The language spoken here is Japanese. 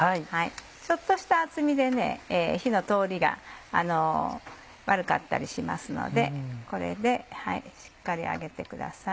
ちょっとした厚みで火の通りが悪かったりしますのでこれでしっかり揚げてください。